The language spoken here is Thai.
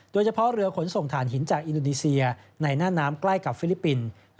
โดยเฉพาะเรือขนส่งฐานหินจากอินโดนีเซียในหน้าน้ำใกล้กับฟิลิปปินส์